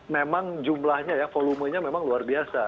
memang jumlahnya ya volumenya memang luar biasa